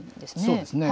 そうですね。